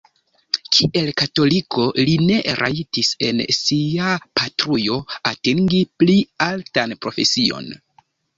Kiel katoliko li ne rajtis en sia patrujo atingi pli altan profesion.